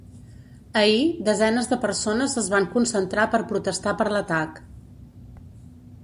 Ahir, desenes de persones es van concentrar per protestar per l’atac.